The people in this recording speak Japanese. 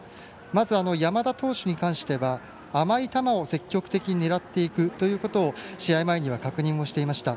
まず山田投手に関しては甘い球を積極的に狙っていくことを試合前には確認していました。